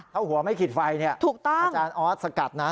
ถ้าหัวไม่ขิดไฟนี่อาจารย์ออสสกัดนะ